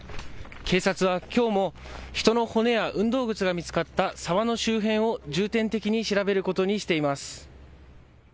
警察はきょうも人の骨や運動靴が見つかった沢の周辺を重点的に調べることにしています。